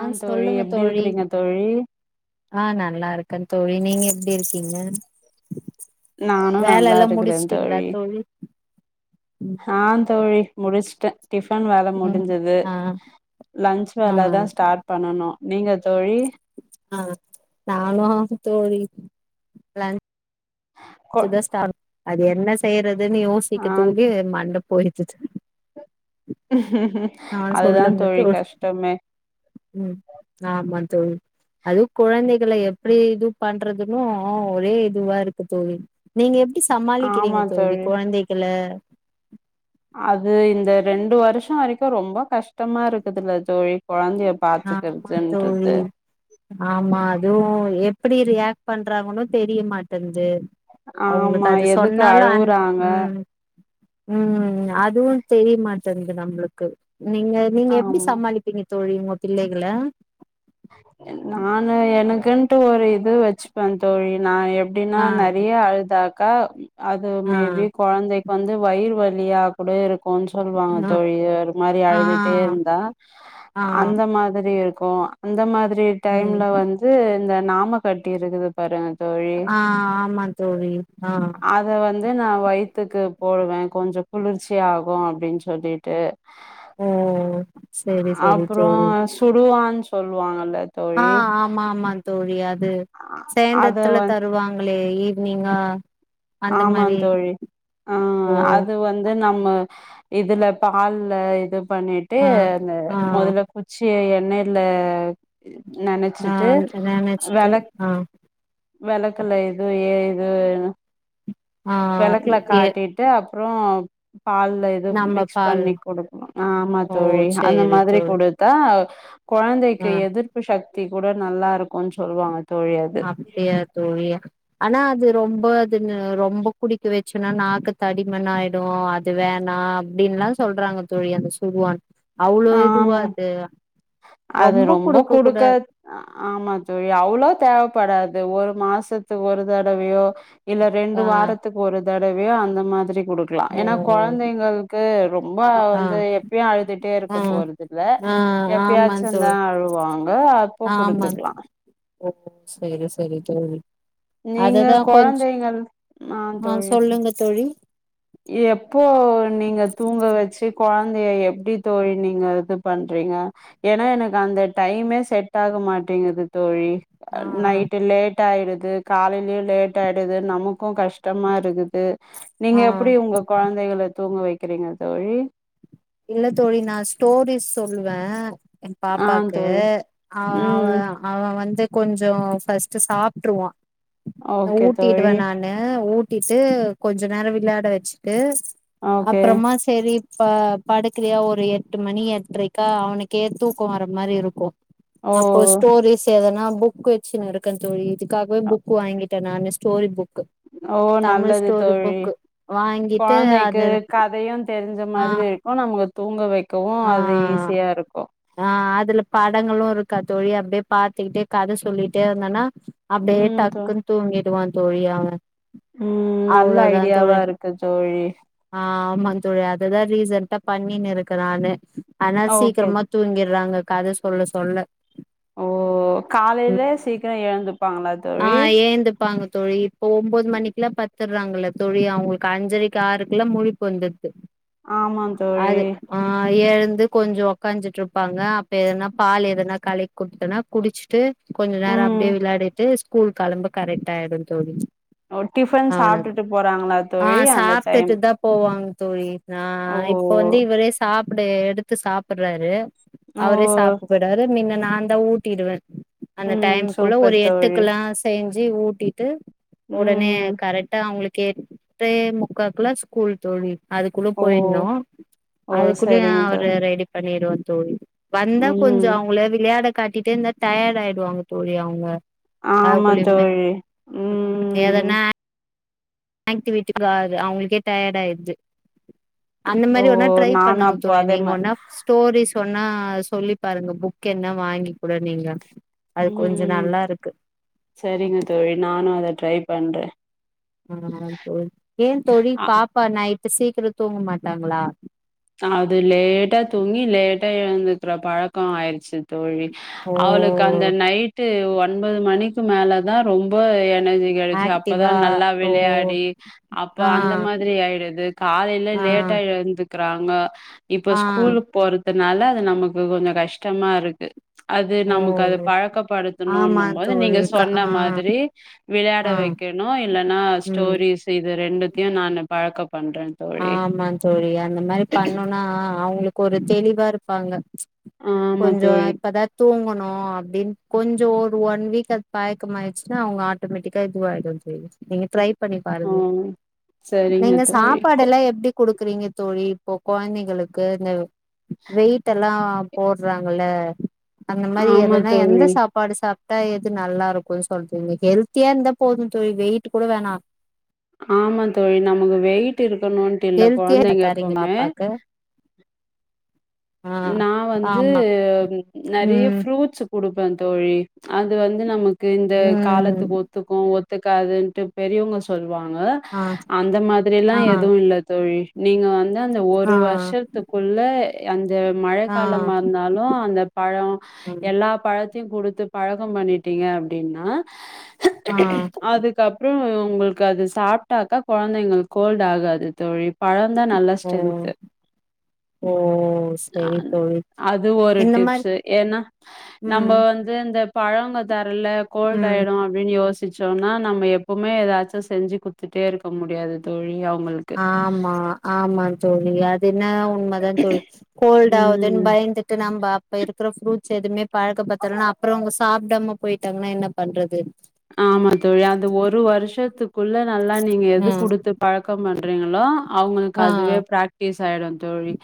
ஆ தோழி சொல்லுங்க எப்டி தோழி இருக்கிறீங்க தோழி ஆ நல்லா இருக் க்கேன் தோழி நீங்க எப்படி இருக்கீங்க நானும் வேல நல்லா எல்லா இருக்கிறேன் முடிச்சுட்டீங்களா தோழி ஆ தோழி முடிச்சுட்டேன் டிஃபன் வேலை ம் முடிஞ்சது ஆ லன்ச் ஆ வேலை தான் ஸ்டார்ட் பண்ணணும் நீங்க தோழி ஆ நானு தோழி லன் கொ ச்சு தா ஸ்டா [unintelligible] அது என்ன செய்றதுனு ஆ யோசிக்கற்துகுள்ள மண்ட போயிச்சுச்சு ம் ஆ சொல்லுங்க தோழி ம் ஆமா தோழி அதுவு குழந்தை ங்கள‌ எப்டி இது பண்றதுன்னூ ஒரே இதுவா இருக்கு தோழி நீங்க எப்டி சமாளிக்கிறீங்க தோழி கொழந்தைகள அது இந்த ரெண்டு வருஷ வரைக்கு ரொம்ப கஷ்டமா இருக்குதுல்ல தோழி கொழந்தைய ஆமா தோழி பாத்துக்கிறதுன்றது ஆமா அதுவு எப் பிடி ரியாக்ட் பண்றாங்கனு தெரியமாட்டென்து ஆமா எதுக்கு அழுவுறாங்க ம் ம் ந அதுவு தெரியமாட்டென்து நம்மளு க்கு நீங்க நீங்க எப்டி ஆமா சமாளிப்பிங்க தோழி உங்க பிள்ளைகள? நானு எனக்குன்ட்டு ஒரு இது வச்சுப்பே தோழி நா எப் டின்னா ஆ நறைய அழுதா க்கா அது ஆ மேபி கொழந்தைக்கு வந்து வயிறு வ லியா கூட இரு க்குன் சொல்வாங்க ஆ தோழி ஒரு மாரி ஆ அழுதுட்டே இருந்தா ஆ அந்த மாதிரி இரு க்கு அந்த மாதி ரி‌ ம் டைம்ல வந்து இந்த நாம கட்டி இருக்குது பாருங்க தோழி ஆ ஆமா தோழி ஆ அது நான் வயிறுத்துக்கு போடுவேன் கொஞ்சம் குளிர்ச்சி ஆகும் அப்படின்னு சொல்லிட்டு உஹம் அப்புறம் சுடுவாச் சொல்லுவாங்க ஆஹ் ஆமா ஆமா தோழி தெரியாது அத சேர்ந்தஇடத்துல வந் தருவாங்க ஈவினிங்கா அந்த ஆமா மாரி தோழி ஓ ஆஹ் அது வந்து நம்ம இதுல பால்ல இது பண்ணிட்டு ஆ அந்த ஆ முதல் குச்சி அன்னைல நா நெனச்சுட்டு ஆஹ் வெளக்குல இது ஏ இது ஆ வெளக்குல எ காட்டிட்டு அ அப்றோ பால்ல இதுவு நம்ம மிக்ஸ் பால் பண்ணி கொடுக்ணோ ஆமா ஓ தோழி அந்த சேரி மாதிரி தோழி கொடுத்தா ஆ கொழந்தைக்கு எதிர்ப்பு ஷக் தி கூட நல்லா இருக்கோன் சொல்வாங்க தோழி அது அப்டிய தோழி ஆனா அது ரொம்ப அது நு ரொம்ப குடிக்கவச்சுனா நாக்கு தடிமண் ஆயிடோ அது வேணா அப்டின்லா சொல்றாங்க தோழி அந்த சுடுவான் அவ்ளோ இதுவா ஆமா அது அது ரொம்ப குடுக்க ஆமா தோழி அவ்ளோ த படாது ஒரு மாசத்துக்கு ஒரு தடவையோ இல்ல ரெண்டு ஆ வாரத்துக்கு ஒரு தடவையோ அந்த மாதிரி குடுக்லா ஓ ஏனா கொழந்தைங்கள்க்கு ரொம்ப ஆ வந்து எப்பயோ அழுத்துட்டே இரு ஆ போறது இல்ல ஆ ஆமா எப்பயாச்சந்தா தோழி அழுவாங்கோ அப்போ ஆமா குடுத்துக்லா அததா கொஞ்ச ஆ ஆஹ் தோழி சொல்லுங்க தொழி எப்போ நீங்க தூங்க வச்சு கொழந்தைய எப்டி தோழி நீங்க குத்தனுப்புவீங்க ஏனா எனக்கு அந்த டைமே செட் ஆக மாட்டீங்குது தோழி ஆ நைட்டு் லேட் ஆயிடுது து காலையிளேயு லேட் ஆயிடுது நமக்கொ கஷ்டமா இருக்குது நீங்க ஆ அப்டி உங்க குழந்தைகள தூங்க வைக்கிறீங்க தோழி இல்ல தோழி நா ஸ்டோரிஸ் சொல்லுவே என் ஆ பாப்பாக்கு தோழி அவ ம் அவன் அவன் வந்து கொஞ்ச ஃபஸ்ட்டு சாப்ருவா ஓகே ஊட்டிடுவே தோழி நானு ஊ டிட்டு கொஞ்ச நேர விளாட வச்சுட்டு ஓகே அப்றோமா சேரி ப்ப படுக்கறையா ஒரு எட்டு மணி எட்ரைக்கா அவனுக்கே தூக்க வர மாரி இருக்கோ ஓ அப்போ ஸ்டோரிஸ் எதனா புக் வச்சுனு இருக்க தோழி இதுக்காகவே புக்கு வாங்கிட்டே நானு ஸ்டோரி புக் ஓ நல்லது தோழி வாங்கிட்டு கோழந்தைக்கு அது கதையு தெரிஞ்ச ஆ மாரி இருக்கு நமக்கு தூங்க வைக்க கவும் அது ஆ ஈஸியா இருக்கு ஆ அதுல படங்களு இருக்கா தோழி அப்படியே பாத்துக்கிட்டே கதை சொல்லிட்டே இருந்தன்னா அப்டே ம் டக்கு தூங்கிடுவ தோழியாவ உம் நல்ல ஐடியாவா இருக்கு தோழி தா ரீசன்டா பண்ணின் இருக்கு நானு ஆனா ஓகே சீக்கிரமா தூங்கிறாங்க தோ கத சொல்ல சொல்ல ஓ காலையில சீக்கிர எழுந்து ஆஹ ஏந்துப்பாங் தோழி ஒன்பது மணிக்குல பத்து துறாங்களல்ல தோழி அவுங்களுக்கு அஞ்சரைக்கு ஆறுருக்குல்ல முழிப்பு வந்துரு ஆமா தோழி அது ஆறு ஆ ஏழு வந்து கொஞ்சோ உக்காஞ்சிட்டு இருப்பாங்க அப்ப எதனா பால் எதனா களக்கி குடுத்தனா குடிச்சிட்டு கொஞ்ச நேர ம் அப்டியே விளாடி பிலே ஸ்கூல் கெளம்ப கரெக்ட் ஆயிடுந் தோழி ஒ டிபன் அவனுக்கு சாப்டுட்டு போறாங்ளா ஆ தோழி அந்த டைம் சாப்ட்டுட்டு தா போவாங்க தோழி ஆ ஓ இப்ப வந்து இவரே சாப் அப்டியே எடுத்து சாப்புறாரு ஓ அவுரே சாப்டுகுறாரு மின்னனா நா தா ஊட்டிடுவே அந்த ம் டைம் குள்ள ஒரு சூப்பர் எட் தோழி இதுகுலா செய்னு ஜூ ஊட்டிட்டு ஒடனே ம் கரெக்டா அவுங்களுக் எட்டே முக்காக்குளா ஸ்கூல் தோழி அதுக்குள்ள ஓ போயின்னு ஓ அது குள்ள நா சரிங்க அவர தோழி ரெடி பண்ணடுவே தோழ் வந்தா கொஞ்ச ம் அவங்ள விளையாட காட்டிட்டே இருந்தா டைர்யட் ஆயிடுவாங்க தோழி அவுங்க ஆமா தோழி ம் ஆக்டிவிட்டுக்காது அவுங்களுக்கே டயர்ட் ஆய்டுது அந்த ஓ மாரி ஒன்னா ட்ரை நானு பண்ணுங்க அப்போ தோழி அதே நீங்க மா ஒன்னா ஸ்டோரிஸ் சொன்னா சொல்லி பாருங்க புக் என்ன வாங்க கூட நீங்க அது ம் கொஞ்சோ ம் நல்லா இருக்கு சரிங்க தோழி நானு அத ட்ரை பண்றே ஆ தோழி ஏன் தோழி பாப்பா நைட் சீக்கிரம் தூங்க மாட்டாங்ளா அது லேட்டா தூங்கி லேட்டா எந்துக்கற பழக்கம் ஆயிடுச்சு தோழி அவளுக்கு அந்த ஓ நைட்டு து ஒன்பது மணிக்கு மேல தான் ரொம்ப எ நஞ்சி கெடைச்சி ஆக்டிவா அப்பதான் நல்லா ஓ விளையாடி அப்ப ஆ அந்த மாதிரி ஆயிடுது காலையில ஆ லேட்டா எழுந்து கிறாங்கோ இப்ப ஆ ஸ்கூலுக்கு போற தனால அது நமக்கு கொஞ்சம் கஷ்டமா இருக்கு அது ஓ நமக்கு அத ஓ பழக்கப்படுத்தணும் ஆமா இன்னும் போது நீங்க தோழி க சொன்ன ஆ மாதிரி விளையாட ஆ வைக்கணும் இல்லன்னா ம் ஸ்டோரிஸ் இது ரெண்டுத்தையும் நானு பழக்க பண்றே தோழி ஆமா தோழி அந் ந்த மாரி பண்ணோனா அவுங்களுக்கு ஒரு தெளிவா இருக் பாங்க ஆமா கொஞ்சம் தோழி இப்பதா தூங்கணும் ஆ அப்டின்னு கொஞ்சம் ஒரு ஒன் வீக் அது பயக்க ஆயிடுச்சின்னா அவுங்க ஆட்டோமேட்டிக்கா இது ஆயிடும் தோழி நீங்க ட்ரை பண்ணி ஆ பாருங்க சரிங்க நீங்க தோழி சாப் கொ பாடலாம் எப்படி குடுக் கிறிங்க தோழி இப்போ கொழந்தைகளுக்கு இந்த வெயிட்ட எல்லாம் போடறாங்க இல்ல [inaudible] அந்த மாரி ஆமா எதனா எந்த தோழி சாப்பாடு சாப் த்த எது நல்லா இருக்கும் சொல்ட்டு இந்த ஹெல்த்தியா இருந்தா போதும் தோழி வெயிட்டு கூட வேணா ஆமா தோழி நமக்கு வெயிட்டு இருக் கணுன்ட்டு இல்ல ஹெல்த்தியா கொழந்தைங்க தரீங்க எப்பவுமே பாப்பாக்கு ஆ நா வந்து ஆமா நெறையா ம் ஃப்ரூட்ஸ் குடுப் ப்ப தோழி அது வந்து நமக் கு இந்த ம் காலத்துக்கு ஒத்துக்கும் ஒத் த்துக்காதுன்ட்டு பெரியவங்க சொல் வாங்க ஆ அந்த மாதிரி எல்லா ஆ எதுவும் இல்லை தோழி நீங்க வந்து அந்த ஆ ஒரு வருஷத்துக்குள்ள எங் க மழை ஆ காலமா இருந்தாலும் அந்த பழம் ம் எல்லா பழத் தியு குடுத்து பழக்கம் பண்ணிட்டீங்க அப்டின்னா ஆ அதுக்கப்புறம் உங்களுக்கு அது சாப்பிட்டாக்கா குழந்தைங்கள் கோல்ட் ஆகாது தொழி பழம்தான் நல்ல ஓ ஸ்ட்ரென்து ஓ செரி அஹ தோழி அது ஒரு இந்த மாரி டிப்ஸ் ஏன்னா நம்ம ம் வந்து இந்த பழங்குதா கோல்டு ம் ஆயிடும் அப்படின்னுயோசிச் சோம்னா நம்ம எப்பவுமே ஏதாச்சும் செஞ்சு குத்துட்டே இருக்க முடியாது தொழி ஆமா ஆமா தோழி அஞ ன உண்மைதான் தொழி கோல்ட் ஆகுதுன்னு ம் பயந்துட்டு நம்ம அப்ப இரு அப்புறம் ஃரூட்ஸ் எதுமே பழக்க படுத்தலன்னா அப்புறம் அவங்க சாப்பிடாம போயிட்டாங்கன்னா என்ன பண்றது ஆமா தொழி அந்த ஒரு வருஷத்துக்குள்ள நல்லா நீங்க எது ம் குடுத்து பழக்கம் பண்ண றீங்களா அவங்களுக்கு ஆ அதுவே பிர்ராக்டிஸ் ஆயிடும் தோழி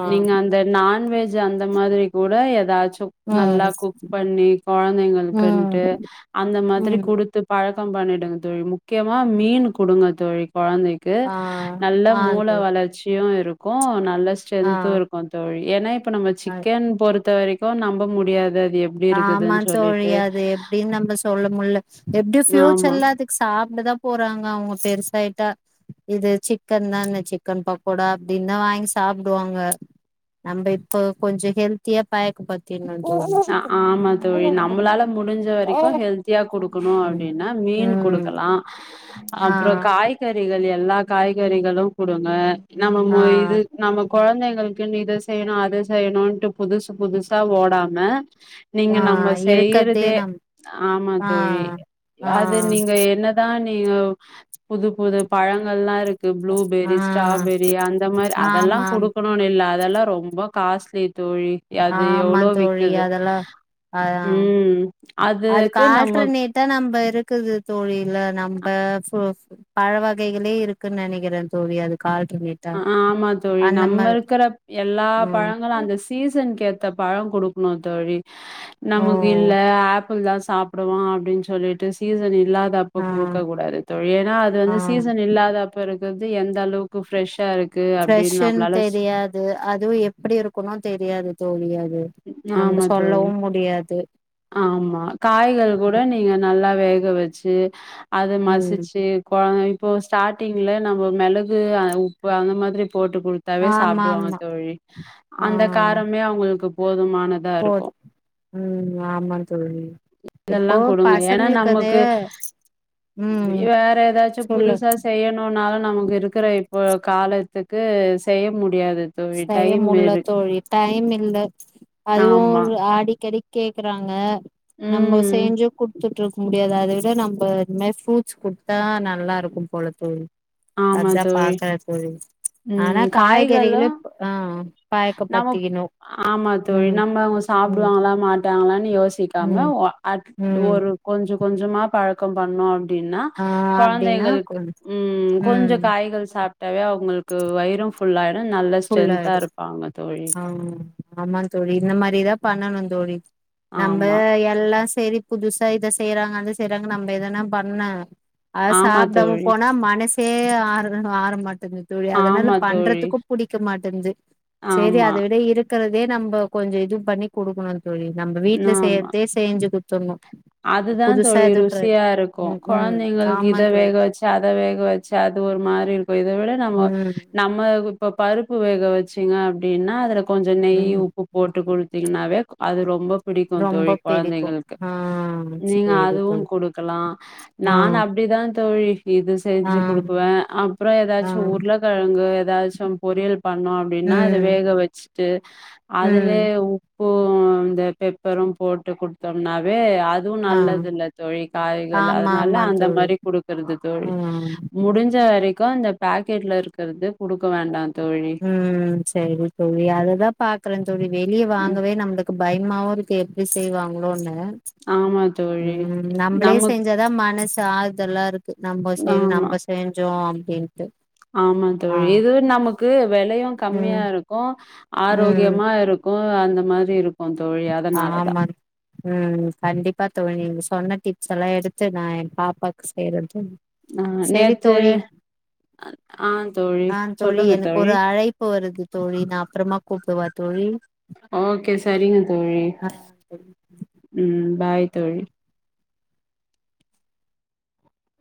ஆ நீங்க அந்த நான்வெஜ் அந்த மாதிரி கூட ஏதாச்சும் நல்லா ம் குக் பண்ணி குழந்தைங்களுக்குன்ட்டு ம் அந்த மாதிரி த்த ம் கொடுத்து பழ பண்ணிடுங்க தொழி முக்கியமா மீன் கொடுங்க தொழி குழந்தைக்கு ஆ நல்ல ஆ மூல தோழி வளர்ச்சியும் இருக்கும் கோன் நல்ல ஆ ஸ்ட்ரன்தும் இருக்கும் தோழி எனனைப் நம்ம ஆ சிக்கன் பொறுத்து த்த வரைக்கும் நம்ப முடியாது அது எப்டி ஆமா இருக்குதுன்னு தோழி சொல்லிட்டு அது எப்படின்னு நம்ம சொல்லும் மு எப்படியும் ஆமா ப்யூச்சர்ல அதுக்கு சாப்ப இ தான் போறாங்க அவங்க பெருசாயிட்டா இது சிக்கன் தான் சிக்கன் பக்கோடா அப்படின் தான் வாங்கி சாப்பிடுவாங்க நம்ம இப்ப கொஞ்சம் ஹெல்த்தியா பாயக்கு பாத்தீ அ நன்றி ஆமா தோழி நம்மளால முடிஞ்ச வரைக்கும் ஹெல்த்தியா குடுக்கணும் ம் அப்படின்னா மீன் ம் குடுக்கலாம் ஆ அப்புறம் காய்கறிிகள் எல்லா காய்கறிகளும் கொடுங்க ஆ நம்ம இது நம்ம குழந்தைங்களுக்குன்னு இதை செய்யணும் அது செய்யணும்ன்ட்டு புதுசு புதுசாக ஓடாங்க ஆ நீங்க ஆ நம்ம இருக்கதே செய்யறதே நம் ஆமா ஆ தோழி ஆ அது நீங்க என்னதான் நீங்க புது புது பழங்கள்லாம் இருக்கு ஆ ப்ளூபெரி ஸ்ட்ராபெரி அந்த மாதிரி அதெல்லாம் ஆமாம் கொடுக்கணும்னு இல்ல அதெல்லாம் ரொம்ப காஸ்ட்லி தோழி அது எவ்வளோ ழ அதெல்லாம் ஆஹ அதுக்கு ஆல்டர்னேட்டா நம்ம இருக்குது தோழில நம்ம பழ வகைகளே இருக்குன்னு நினைக்கிறேன் தோல்வி அது கால் அ ஆமா தோழி நம்ம இருக்கிற எல்லா ம் பழங்களும் அந்த சீசனுக்குே பழம் கொடுக்கணும் தோழி ஓ நமக்கு இல்ல ஆப்பிள் தான் சாப்பிடுவான் அப்படின்னு சொல்லிட்டு சீசன் இ இல்லாத அப்ப ஆ கொடுக்க கூடாது தோழி ஏன்னா அது ஆ வந்து சீசன் இல்லாத அப்ப இருக்கு து எந்த அளவுக்கு பிரப்ரெஷா இருக்கு அப்படின்னு ன் நம்மளால ஸ் தெரியாது அதுவம் எப்படி இருக்கணும் தெரியாது தோழி அது நம்ம ஆமா தோழி. சொல்லவும் முடியாது ஆமா காய்கள் கூட நீங்க நல்லா ல்ல வேக வச்சு அத ம் மசிச்சு குழந்த இப்போ ஸ்டாரிங்ல நம்ம மிளகு உப்பு அந்த மாதிரி போட்டு கொடுத்தாவே ஆமா சாப்பிடுவாங்க ஆமா தோழி ஆ அந்த காரமே அவங்களுக்கு போதுமான போது உம் இதெல்லாம் கொடுங்க ஏன்னா பசங்களுக்கு அது நமக்கு ம் வேற ஏதாச்சும் சொல்லு புதுசா செய்யணும்னால நமக்கு இருக்கிற இப்போ காலத்துக்கு செய்ய முடிய செய்யமுடியல தோழி டைம் இல்ல அதுவும் ஆமா. ஒரு அடிக்கடி கேக்குறாங்க நம்ம ம். செய்ஞ்சு குடுத்துட்டு முடியாது அத விட நம்ம அது மாரி ஃப்ரூட்ஸ் குடுத்தா நல்லா இருக்கு போல தோழி ஆமா அதா தோழி. பாக்குற தோழி ஆனா ம் காய்கறிகளு காய்களும் ஆ நம்ம பாயக்கப்படுத்திக்கணு ஆமா தோழி ம் நம்ம அவங்க ம் சாப்பிடுவாங்களா மாட்டாங்களான்னு யோசிக்காம ம் அட ம் ஒரு கொஞ்சு கொஞ்சமா பழக்கோ பண்ணோ அப் அப்டின்னா ஆ அப்டின்னா கொழந்தைங்களுக்கு ம் கொஞ்ச காய்கள் சாப் டவே அவங்களுக்கு வயிரு ஃபுல்லாயிடு நல்ல ஸ்ட்ரென்த்தா ஃபுல்லது இருப்பாங்க தோழி ஆ ஆமா தோழி இந்த மாதிரிதா பண்ணணு தோழி நம்ம ஆமா எல்லாம் செரி புதுசா இத செய்யறாங்க அத செய்யறாங்கனு நம்ம எதனா பண்ண அ ஆமா சாப்பிட தோழி போனா மனசு சே ஆரம ஆரமாட்டிகு து தோழி அதனால ஆமா தோழி பண்றதுக்கு படிக்க மாட்டே து சரி ஆமா அத விட இரு இருக்கிறதே நம்ம கொஞ்ச இதுவு பண்ணி கொடுக்கணு தோழி நம்ம வீட்ல செய்யறதே செய்ஞ்சு குடுத்ரணு அதுதா தோழி ருசியா இருக்கு ம் ம் கொழந்தைங்களுக்கு ஆமா இத தோழி வேக வச்சு அத வேக வச்சு அது ஒரு மாரி இருக்கு இத விட நம ம் நம்ம இப்ப பருப்பு வேக வச்சுங்க அப்டின்னா அதுல கொஞ்சோ நெய் ம் உப்பு போட்டு குடுத்து திங்னாவே அது ரொம்ப பிடிக்கு தோழி ரொம்ப பிடிக்கு கொழந்தைங்களுக்கு ஆ நீங்க சேரி அதுவு தோழி கொடுக்கலா ஆ நானு அப்டிதா தோழி இது ஆ செஞ்சு கொடுக்குவே அப்புறோ ஆ ஏதாச்சு உருளைக்கிழங்கு ஏதாச்சு பொரியல் பண்ணோ அப்டின்னா அத ம் வேக வச்சுட்டு அதுலயே ம் ப்பு இந்த பெப்பரு போட்டு குடுத்தோன்னாவே அ துவு ஆ நல்லதில்ல தோழி காய்கள் ஆமா அதுனால ஆமா அந்த தோழி மாரி குடுக்கற்து தோழி ம் முடுஞ்ச வரை க்கு அந்த பாக்கெட்ல இருக்கறது குடுக்க வேண்டா தோழி. ம் சரி தோழி அததா பாக்குறே தோழி வெளிய ம் வாங்கவே நம்ளுக் கு பயமாவு இருக்கு எப்டி செய்வாங்களோன்னு ஆமா தோழி. ம் நம்பளே நமக் செஞ்சாதா மனசு ஆறுதலா இரு க்கு நம்ப சரி ஆமா. நம்ப செஞ்சோ அ ப்டின் ஆமா தோழி இது நமக்கு வெலையு ம் கம்மியா இருக்கு ம் ஆரோக்கியமா இரு க்கு அந்த மாரி இருக் ஆமா ம் கண்டிப்பா தோழி சொன்ன டிப்ஸ் எல்லா எடுத்து நா எ பாப்பாக்கு செய்றே தோழி ஆ செரி நேத்து தோழி ஆ தோழி ஆ தோழி சொல்லுங்க எனக்கு ஒரு அழைப்பு வருது தோழி நா அப்றமா கூப் டவா தோழி ஓகே சரிங்க தோழி ஆ ம் பாய் தோழி